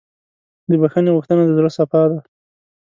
د بښنې غوښتنه د زړۀ صفا ده.